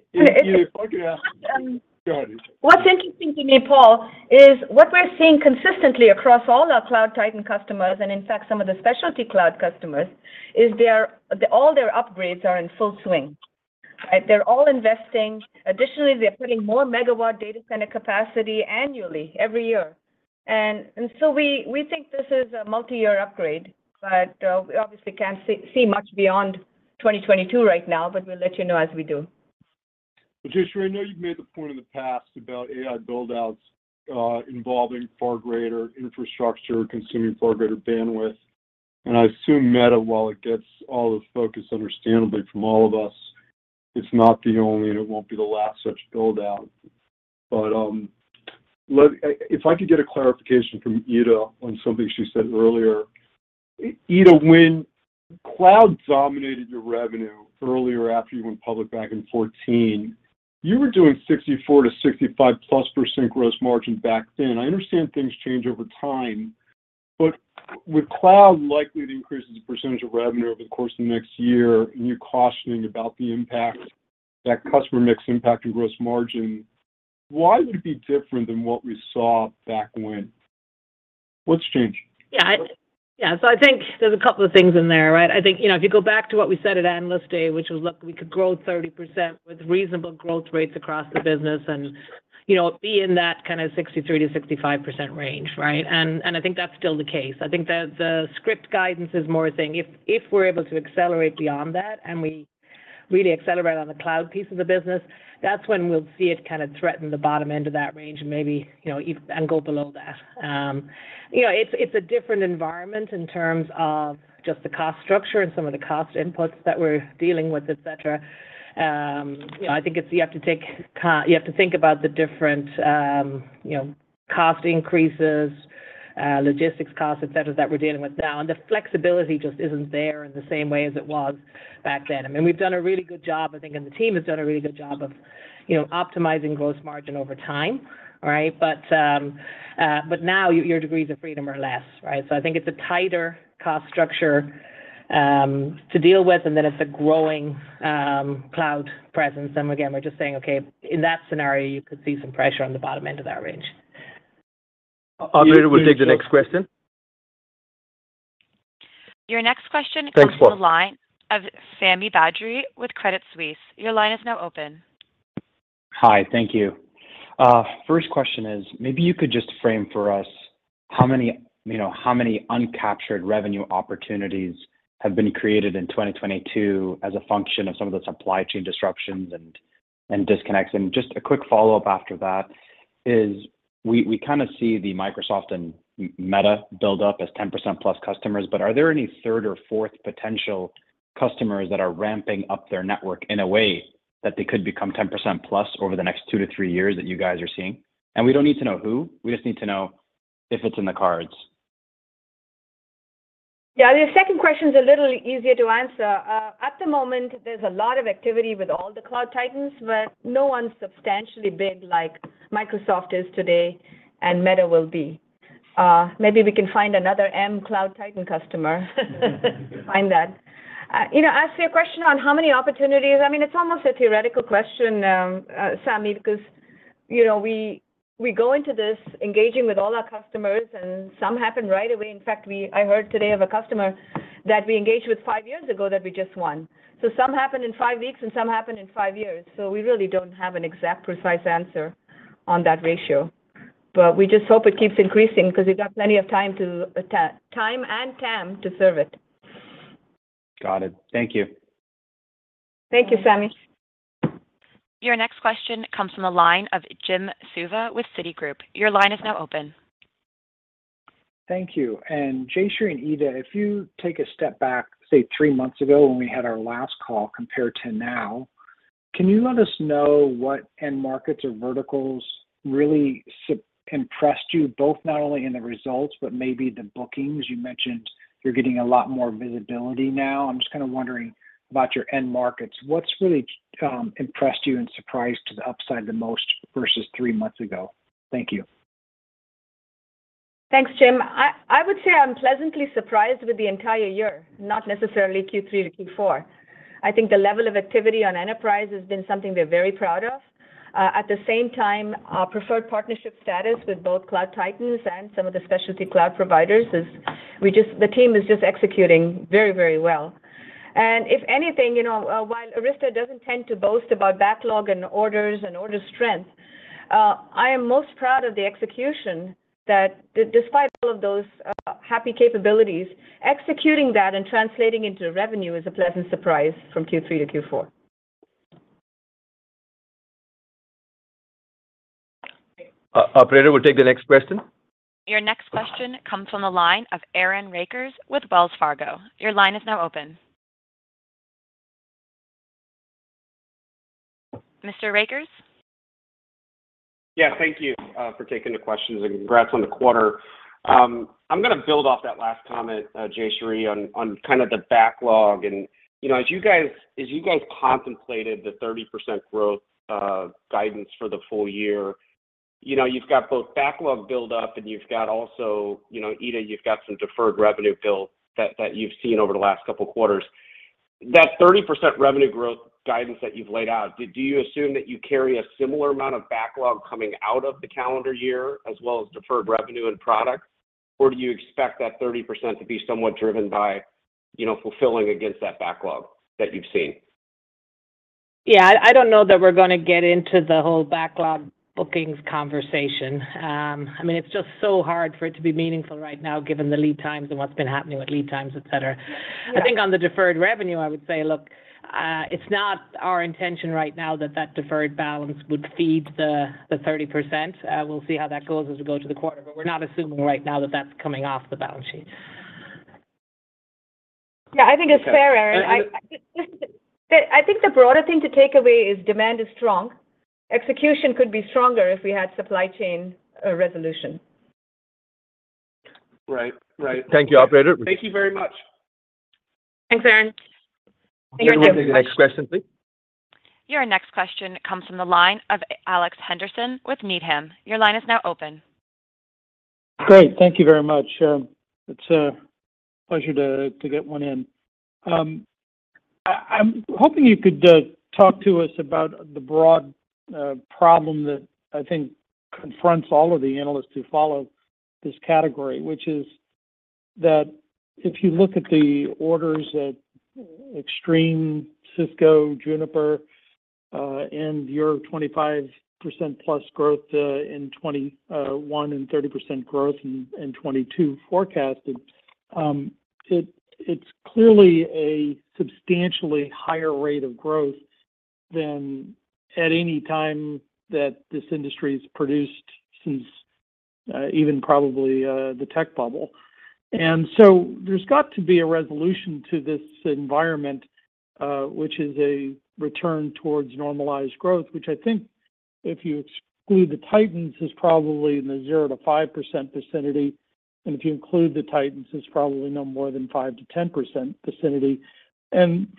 I could ask. And, um- Go ahead, Jayshree. What's interesting to me, Paul, is what we're seeing consistently across all our Cloud Titans customers, and in fact some of the specialty cloud customers, is that all their upgrades are in full swing, right? They're all investing. Additionally, they're putting more megawatt data center capacity annually every year. We think this is a multi-year upgrade, but we obviously can't see much beyond 2022 right now, but we'll let you know as we do. Jayshree, I know you've made the point in the past about AI build-outs, involving far greater infrastructure, consuming far greater bandwidth, and I assume Meta, while it gets all the focus understandably from all of us, it's not the only and it won't be the last such build-out. If I could get a clarification from Ita on something she said earlier. Ita, when cloud dominated your revenue earlier after you went public back in 2014, you were doing 64%-65%+ gross margin back then. I understand things change over time, but with cloud likely to increase as a percentage of revenue over the course of the next year, and you're cautioning about the impact, that customer mix impact and gross margin, why would it be different than what we saw back when? What's changed? Yeah. I think there's a couple of things in there, right? I think, you know, if you go back to what we said at Analyst Day, which was, look, we could grow 30% with reasonable growth rates across the business and, you know, be in that kind of 63%-65% range, right? I think that's still the case. I think the script guidance is more saying if we're able to accelerate beyond that, and we really accelerate on the cloud piece of the business, that's when we'll see it kind of threaten the bottom end of that range and maybe, you know, and go below that. You know, it's a different environment in terms of just the cost structure and some of the cost inputs that we're dealing with, et cetera. You have to think about the different, you know, cost increases, logistics costs, et cetera, that we're dealing with now, and the flexibility just isn't there in the same way as it was back then. I mean, we've done a really good job, I think, and the team has done a really good job of, you know, optimizing gross margin over time, right? But now your degrees of freedom are less, right? I think it's a tighter cost structure to deal with, and then it's a growing cloud presence. We're just saying, okay, in that scenario, you could see some pressure on the bottom end of that range. Operator, we'll take the next question. Your next question comes from the line of Sami Badri with Credit Suisse. Your line is now open. Hi. Thank you. First question is maybe you could just frame for us how many, you know, how many uncaptured revenue opportunities have been created in 2022 as a function of some of the supply chain disruptions and disconnects? Just a quick follow-up after that is we kind of see the Microsoft and Meta build-up as 10%+ customers, but are there any third or fourth potential customers that are ramping up their network in a way that they could become 10%+ over the next two to three years that you guys are seeing? We don't need to know who. We just need to know if it's in the cards. Yeah, the second question's a little easier to answer. At the moment, there's a lot of activity with all the Cloud Titans, but no one substantially big like Microsoft is today and Meta will be. Maybe we can find another M Cloud Titan customer. Find that. You know, as to your question on how many opportunities, I mean, it's almost a theoretical question, Sami, because, you know, we go into this engaging with all our customers, and some happen right away. In fact, I heard today of a customer that we engaged with five years ago that we just won. Some happen in five weeks, and some happen in five years, so we really don't have an exact precise answer on that ratio. We just hope it keeps increasing because we've got plenty of time and TAM to serve it. Got it. Thank you. Thank you, Sami. Your next question comes from the line of Jim Suva with Citigroup. Your line is now open. Thank you. Jayshree and Ita, if you take a step back, say, three months ago when we had our last call compared to now, can you let us know what end markets or verticals really impressed you both not only in the results but maybe the bookings? You mentioned you're getting a lot more visibility now. I'm just kind of wondering about your end markets. What's really impressed you and surprised to the upside the most versus three months ago? Thank you. Thanks, Jim. I would say I'm pleasantly surprised with the entire year, not necessarily Q3 to Q4. I think the level of activity on enterprise has been something we're very proud of. At the same time, our preferred partnership status with both Cloud Titans and some of the specialty cloud providers, the team is just executing very, very well. If anything, you know, while Arista doesn't tend to boast about backlog and orders and order strength, I am most proud of the execution that despite all of those happy capabilities, executing that and translating into revenue is a pleasant surprise from Q3 to Q4. Operator, we'll take the next question. Your next question comes from the line of Aaron Rakers with Wells Fargo. Your line is now open. Mr. Rakers? Yeah. Thank you for taking the questions, and congrats on the quarter. I'm gonna build off that last comment, Jayshree, on kind of the backlog. You know, as you guys contemplated the 30% growth guidance for the full year, you know, you've got both backlog buildup and you've got also, you know, Ita, you've got some deferred revenue build that you've seen over the last couple quarters. That 30% revenue growth guidance that you've laid out, do you assume that you carry a similar amount of backlog coming out of the calendar year as well as deferred revenue and products, or do you expect that 30% to be somewhat driven by, you know, fulfilling against that backlog that you've seen? Yeah. I don't know that we're gonna get into the whole backlog bookings conversation. I mean, it's just so hard for it to be meaningful right now given the lead times and what's been happening with lead times, et cetera. Yeah. I think on the deferred revenue, I would say, look, it's not our intention right now that deferred balance would feed the 30%. We'll see how that goes as we go to the quarter, but we're not assuming right now that that's coming off the balance sheet. Okay. Yeah. I think it's fair, Aaron. I think listen, I think the broader thing to take away is demand is strong. Execution could be stronger if we had supply chain resolution. Right. Right. Thank you, operator. Thank you very much. Thanks, Aaron. We'll take the next question, please. Your next question comes from the line of Alex Henderson with Needham. Your line is now open. Great. Thank you very much. It's a pleasure to get one in. I'm hoping you could talk to us about the broad problem that I think confronts all of the analysts who follow this category, which is that if you look at the orders at Extreme, Cisco, Juniper, and your 25%+ growth in 2021 and 30% growth in 2022 forecasted, it's clearly a substantially higher rate of growth than at any time that this industry's produced since even probably the tech bubble. There's got to be a resolution to this environment, which is a return towards normalized growth, which I think if you exclude the titans is probably in the 0%-5% vicinity. If you include the Titans, it's probably no more than 5%-10% vicinity.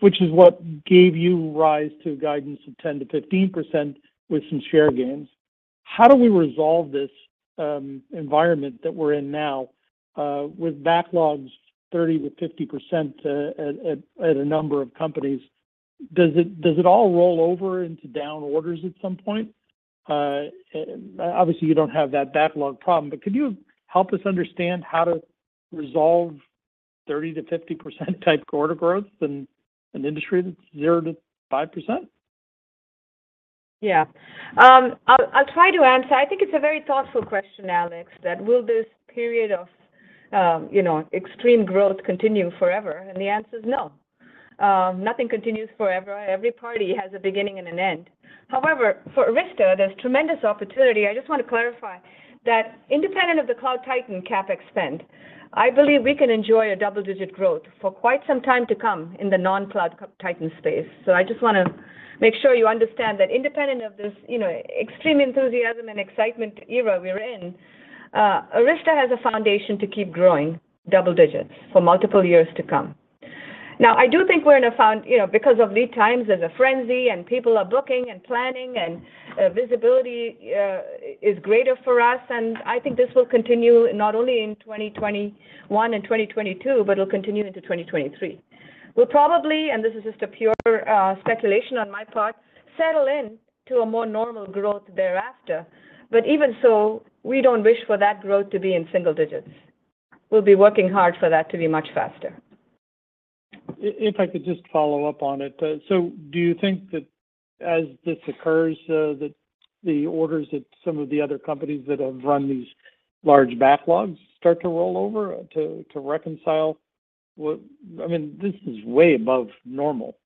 Which is what gave rise to guidance of 10%-15% with some share gains. How do we resolve this environment that we're in now with backlogs 30%-50% at a number of companies? Does it all roll over into down orders at some point? Obviously you don't have that backlog problem, but could you help us understand how to resolve 30%-50% type quarter growth in an industry that's 0%-5%? Yeah. I'll try to answer. I think it's a very thoughtful question, Alex, that will this period of, you know, extreme growth continue forever? The answer is no. Nothing continues forever. Every party has a beginning and an end. However, for Arista, there's tremendous opportunity. I just wanna clarify that independent of the Cloud Titans CapEx spend, I believe we can enjoy a double-digit growth for quite some time to come in the non-Cloud Titans space. I just wanna make sure you understand that independent of this, you know, extreme enthusiasm and excitement era we are in, Arista has a foundation to keep growing double digits for multiple years to come. Now, I do think we're in. You know, because of lead times, there's a frenzy and people are booking and planning, and visibility is greater for us. I think this will continue not only in 2021 and 2022, but it'll continue into 2023. We'll probably, and this is just a pure speculation on my part, settle in to a more normal growth thereafter. Even so, we don't wish for that growth to be in single digits. We'll be working hard for that to be much faster. If I could just follow up on it. Do you think that as this occurs, that the orders that some of the other companies that have run these large backlogs start to roll over to reconcile what I mean, this is way above normal.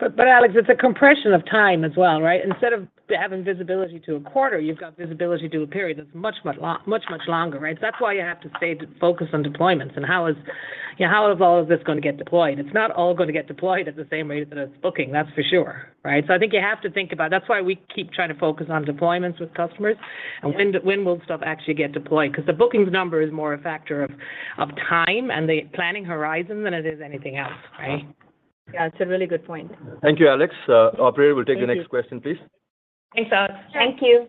Alex, it's a compression of time as well, right? Instead of having visibility to a quarter, you've got visibility to a period that's much longer, right? That's why you have to stay focused on deployments and how, you know, all of this is gonna get deployed. It's not all gonna get deployed at the same rate that it's booking, that's for sure, right? I think you have to think about that. That's why we keep trying to focus on deployments with customers and when will stuff actually get deployed. 'Cause the bookings number is more a factor of time and the planning horizon than it is anything else, right? Yeah, it's a really good point. Thank you, Alex. Operator, we'll take the next question, please. Thanks, Alex. Thank you.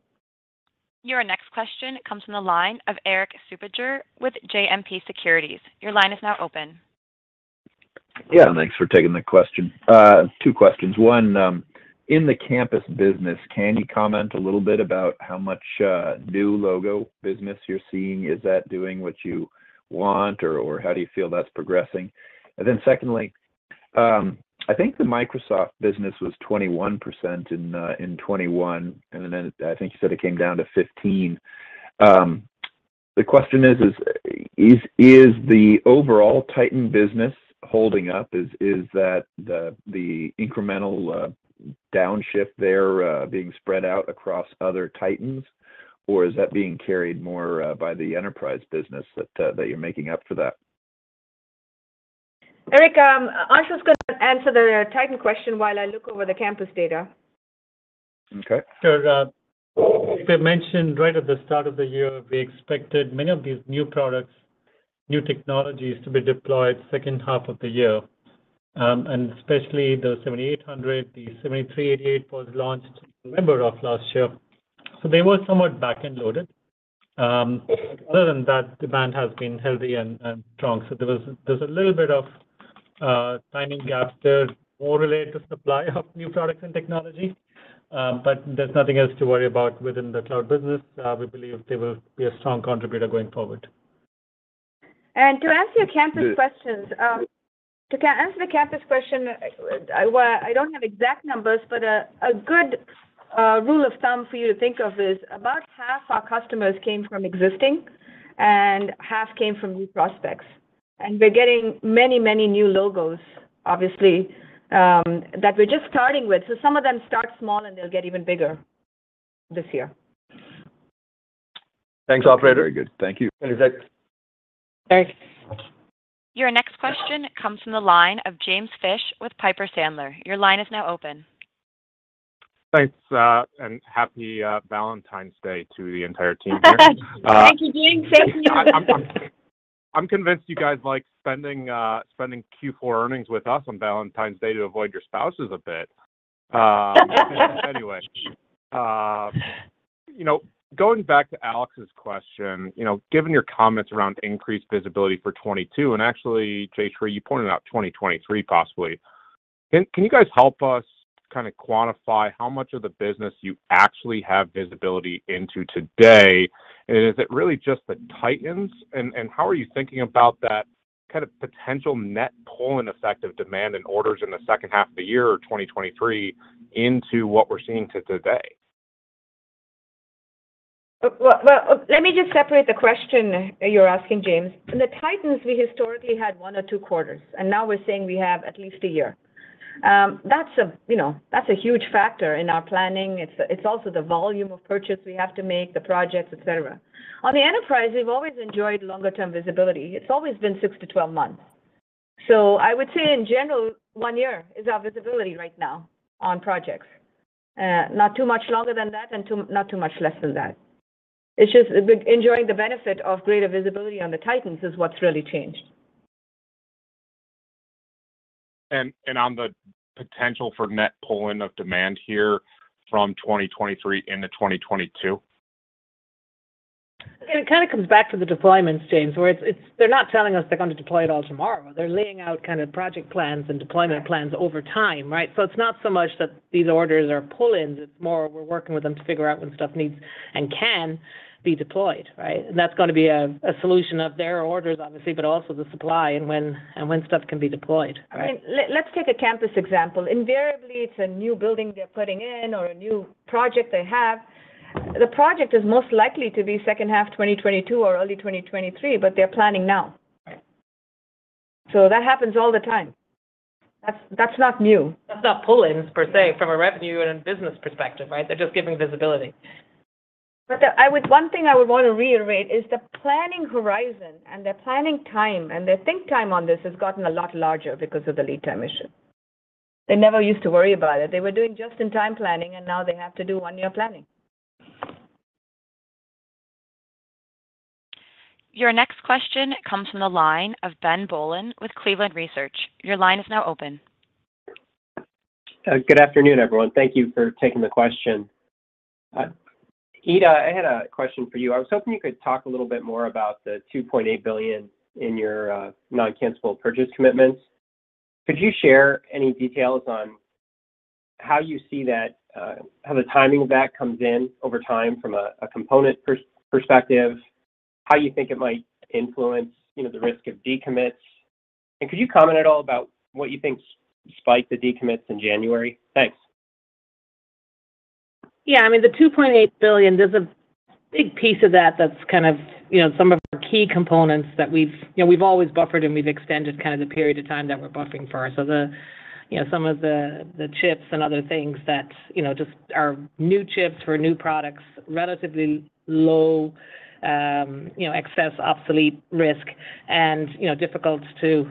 Your next question comes from the line of Erik Suppiger with JMP Securities. Your line is now open. Yeah, thanks for taking the question. Two questions. One, in the campus business, can you comment a little bit about how much new logo business you're seeing? Is that doing what you want, or how do you feel that's progressing? And then secondly, I think the Microsoft business was 21% in 2021, and then I think you said it came down to 15%. The question is the overall Titan business holding up? Is that the incremental downshift there being spread out across other Titans, or is that being carried more by the enterprise business that you're making up for that? Erik, Anshul is gonna answer the Titan question while I look over the campus data. Okay. Sure. As I mentioned right at the start of the year, we expected many of these new products, new technologies to be deployed second half of the year, and especially the 7800, the 7388 was launched November of last year. They were somewhat back-end loaded. Other than that, demand has been healthy and strong. There's a little bit of timing gaps there, more related to supply of new products and technology, but there's nothing else to worry about within the cloud business. We believe they will be a strong contributor going forward. To answer your campus questions, I don't have exact numbers, but a good rule of thumb for you to think of is about half our customers came from existing, and half came from new prospects. We're getting many new logos, obviously, that we're just starting with. Some of them start small, and they'll get even bigger this year. Thanks, operator. Very good. Thank you. Thanks. Your next question comes from the line of James Fish with Piper Sandler. Your line is now open. Thanks, and happy Valentine's Day to the entire team here. Thank you, James. Thank you. I'm convinced you guys like spending Q4 earnings with us on Valentine's Day to avoid your spouses a bit. Anyway, you know, going back to Alex's question, you know, given your comments around increased visibility for 2022, and actually, Jayshree, you pointed out 2023 possibly, can you guys help us kind of quantify how much of the business you actually have visibility into today? And is it really just the Titans? And how are you thinking about that kind of potential net pull-in effect of demand and orders in the second half of the year or 2023 into what we're seeing today? Well, let me just separate the question you're asking, James. The Titans, we historically had one or two quarters, and now we're saying we have at least a year. You know, that's a huge factor in our planning. It's also the volume of purchase we have to make, the projects, et cetera. On the enterprise, we've always enjoyed longer-term visibility. It's always been six to 12 months. I would say in general, one year is our visibility right now on projects. Not too much longer than that and, too, not too much less than that. It's just we've been enjoying the benefit of greater visibility on the Titans is what's really changed. On the potential for net pull-in of demand here from 2023 into 2022? It kind of comes back to the deployments, James, where it's, they're not telling us they're going to deploy it all tomorrow. They're laying out kind of project plans and deployment plans over time, right? It's not so much that these orders are pull-ins, it's more we're working with them to figure out when stuff needs and can be deployed, right? That's going to be a solution of their orders, obviously, but also the supply and when stuff can be deployed, right? I mean, let's take a campus example. Invariably, it's a new building they're putting in or a new project they have. The project is most likely to be second half 2022 or early 2023, but they're planning now. Right. That happens all the time. That's not new. That's not pull-ins per se from a revenue and business perspective, right? They're just giving visibility. One thing I would want to reiterate is the planning horizon and the planning time, and the think time on this has gotten a lot larger because of the lead time issue. They never used to worry about it. They were doing just-in-time planning, and now they have to do one-year planning. Your next question comes from the line of Ben Bollin with Cleveland Research. Your line is now open. Good afternoon, everyone. Thank you for taking the question. Ita, I had a question for you. I was hoping you could talk a little bit more about the $2.8 billion in your non-cancelable purchase commitments. Could you share any details on how you see that, how the timing of that comes in over time from a component perspective, how you think it might influence, you know, the risk of decommits? And could you comment at all about what you think spiked the decommits in January? Thanks. Yeah. I mean, the $2.8 billion, there's a big piece of that that's kind of, you know, some of our key components that we've always buffered, and we've extended kind of the period of time that we're buffering for. So, you know, some of the chips and other things that, you know, just are new chips for new products, relatively low, you know, excess obsolete risk and, you know, difficult to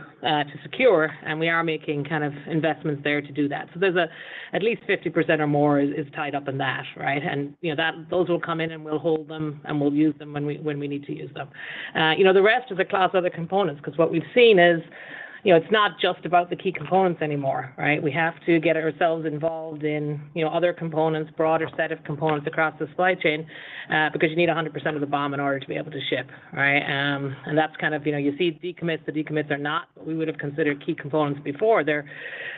secure. We are making kind of investments there to do that. So there's at least 50% or more is tied up in that, right? And, you know, those will come in, and we'll hold them, and we'll use them when we need to use them. You know, the rest of the class are the components because what we've seen is, you know, it's not just about the key components anymore, right? We have to get ourselves involved in, you know, other components, broader set of components across the supply chain, because you need 100% of the BOM in order to be able to ship, right? That's kind of, you know, you see decommits. The decommits are not what we would have considered key components before. They're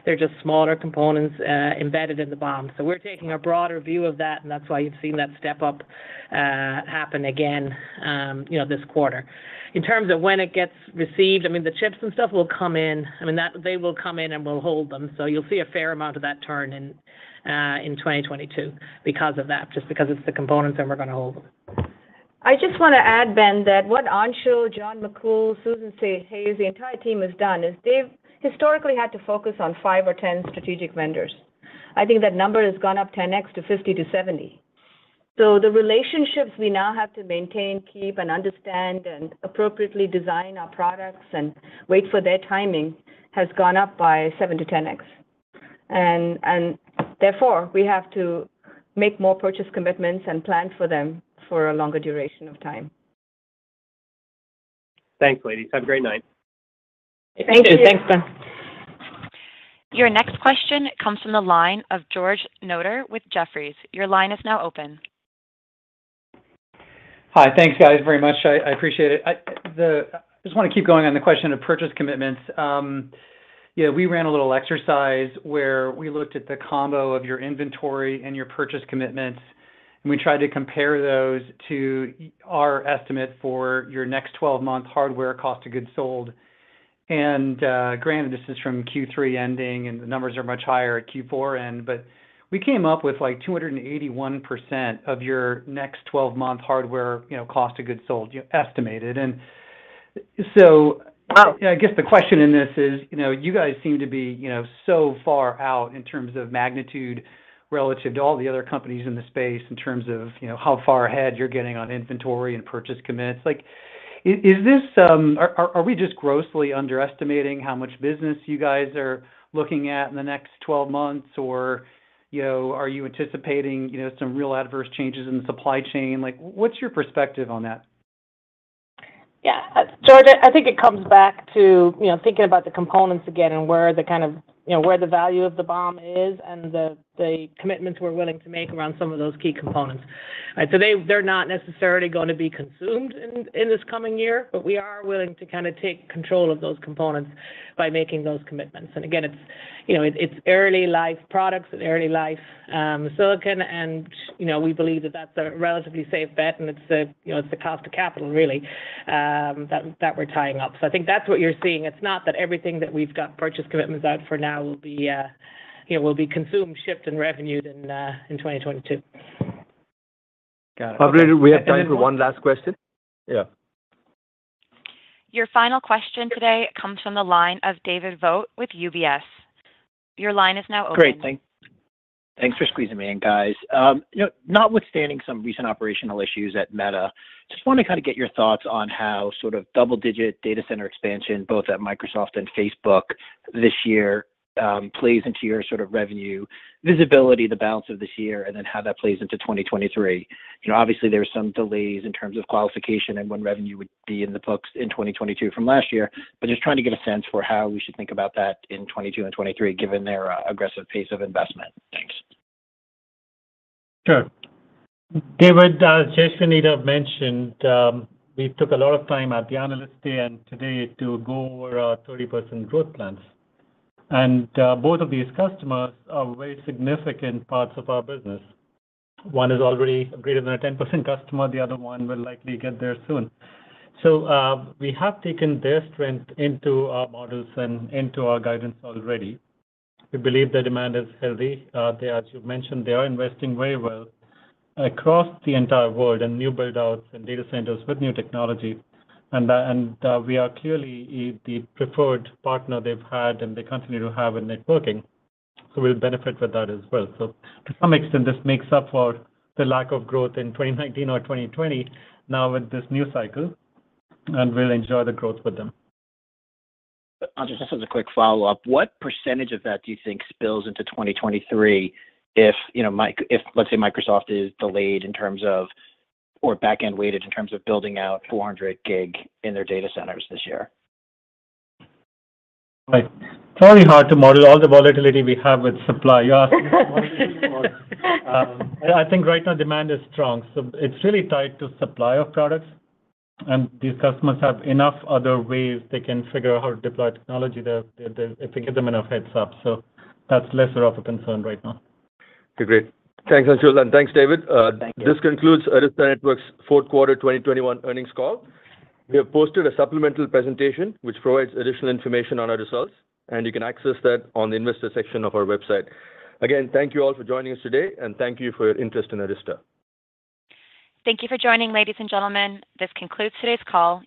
just smaller components, embedded in the BOM. So we're taking a broader view of that, and that's why you've seen that step up happen again, you know, this quarter. In terms of when it gets received, I mean, the chips and stuff will come in. I mean, they will come in and we'll hold them. You'll see a fair amount of that turn in in 2022 because of that, just because it's the components and we're gonna hold them. I just wanna add, Ben, that what Anshul, John McCool, Susan Hayes, the entire team has done is they've historically had to focus on five or 10 strategic vendors. I think that number has gone up 10x to 50x to 70x. The relationships we now have to maintain, keep, and understand and appropriately design our products and wait for their timing has gone up by 7x to 10x. Therefore, we have to make more purchase commitments and plan for them for a longer duration of time. Thanks, ladies. Have a great night. Thank you. Thanks, Ben. Your next question comes from the line of George Notter with Jefferies. Your line is now open. Hi. Thanks, guys, very much. I appreciate it. I just wanna keep going on the question of purchase commitments. You know, we ran a little exercise where we looked at the combo of your inventory and your purchase commitments, and we tried to compare those to our estimate for your next 12-month hardware cost of goods sold. Granted this is from Q3 ending, and the numbers are much higher at Q4 end, but we came up with, like, 281% of your next 12-month hardware, you know, cost of goods sold estimated. Wow. I guess the question in this is, you know, you guys seem to be, you know, so far out in terms of magnitude relative to all the other companies in the space in terms of, you know, how far ahead you're getting on inventory and purchase commitments. Like, are we just grossly underestimating how much business you guys are looking at in the next 12 months? Or, you know, are you anticipating, you know, some real adverse changes in the supply chain? Like, what's your perspective on that? Yeah. George, I think it comes back to, you know, thinking about the components again and where the kind of, you know, where the value of the BOM is and the commitments we're willing to make around some of those key components. They're not necessarily gonna be consumed in this coming year, but we are willing to kinda take control of those components by making those commitments. Again, it's, you know, it's early life products and early life silicon and, you know, we believe that that's a relatively safe bet, and it's the, you know, it's the cost of capital really that we're tying up. I think that's what you're seeing. It's not that everything that we've got purchase commitments out for now will be, you know, consumed, shipped, and revenued in 2022. Got it. Probably we have time for one last question. Yeah. Your final question today comes from the line of David Vogt with UBS. Your line is now open. Great. Thanks for squeezing me in, guys. You know, notwithstanding some recent operational issues at Meta, just wanna kinda get your thoughts on how sort of double-digit data center expansion, both at Microsoft and Facebook this year, plays into your sort of revenue visibility the balance of this year and then how that plays into 2023. You know, obviously, there are some delays in terms of qualification and when revenue would be in the books in 2022 from last year, but just trying to get a sense for how we should think about that in 2022 and 2023, given their aggressive pace of investment. Thanks. Sure. David, Jayshree and Ita have mentioned, we took a lot of time at the Analyst Day and today to go over our 30% growth plans. Both of these customers are very significant parts of our business. One is already greater than a 10% customer, the other one will likely get there soon. We have taken their strength into our models and into our guidance already. We believe the demand is healthy. They, as you mentioned, they are investing very well across the entire world in new build-outs and data centers with new technology. We are clearly the preferred partner they've had, and they continue to have in networking, so we'll benefit with that as well. To some extent, this makes up for the lack of growth in 2019 or 2020 now with this new cycle, and we'll enjoy the growth with them. Anshul, just as a quick follow-up. What percentage of that do you think spills into 2023 if, you know, let's say, Microsoft is delayed in terms of, or back-end weighted in terms of building out 400 gig in their data centers this year? Right. It's very hard to model all the volatility we have with supply. You're asking about modeling. I think right now demand is strong, so it's really tied to supply of products. These customers have enough other ways they can figure out how to deploy technology there if we give them enough heads-up. That's lesser of a concern right now. Okay, great. Thanks, Anshul, and thanks, David. Thank you. This concludes Arista Networks' fourth quarter 2021 earnings call. We have posted a supplemental presentation, which provides additional information on our results, and you can access that on the investor section of our website. Again, thank you all for joining us today, and thank you for your interest in Arista. Thank you for joining, ladies and gentlemen. This concludes today's call.